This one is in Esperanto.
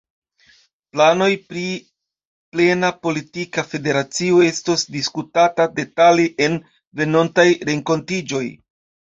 Planoj pri plena politika federacio estos diskutata detale en venontaj renkontiĝoj.